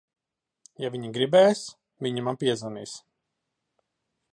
Ja viņa gribēs, viņa man piezvanīs.